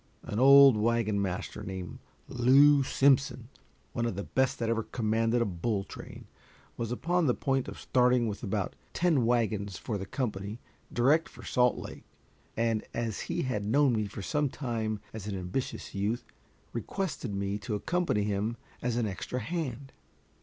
An old wagon master named Lew Simpson, one of the best that ever commanded a bull train, was upon the point of starting with about ten wagons for the company, direct for Salt Lake, and as he had known me for some time as an ambitious youth, requested me to accompany him as an extra hand.